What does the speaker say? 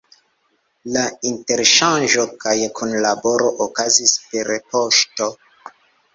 La interŝanĝo kaj kunlaboro okazis per poŝto.